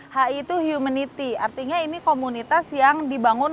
hi itu humanity artinya ini komunitas yang dibangun